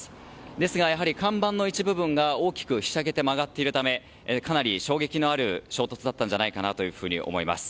ですが、やはり看板の一部分が大きくひしゃげて曲がっているためかなり衝撃のある衝突だったんじゃないかと思います。